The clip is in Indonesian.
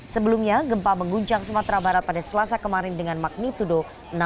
sebelumnya gempa mengguncang sumatera barat pada selasa kemarin dengan magnitudo enam satu